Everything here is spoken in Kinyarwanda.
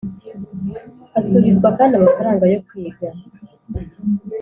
asubizwa kandi amafaranga yo kwiga